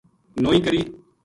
نوئی کری